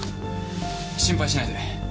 心配しないで。